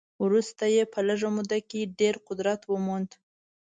وروسته یې په لږه موده کې ډېر قدرت وموند.